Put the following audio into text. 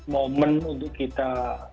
moment untuk kita